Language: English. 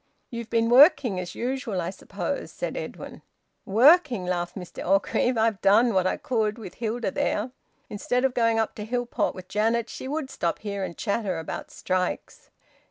"You've been working, as usual, I suppose," said Edwin. "Working!" laughed Mr Orgreave. "I've done what I could, with Hilda there! Instead of going up to Hillport with Janet, she would stop here and chatter about strikes."